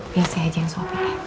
biasa aja yang sopi ya